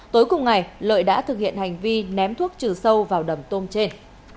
tối cùng ngày lợi đã thực hiện hành vi ném thuốc trừ sâu vào đầm tôm trên